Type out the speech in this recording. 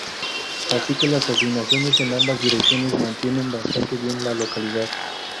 Así que las asignaciones en ambas direcciones mantienen bastante bien la localidad.